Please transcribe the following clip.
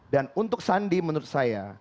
dan untuk sandi menurut saya